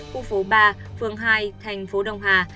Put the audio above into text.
khu phố ba phường hai thành phố đông hà